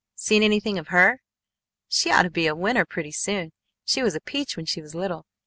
Seen anything of her? She ought to be a winner pretty soon. She was a peach when she was little.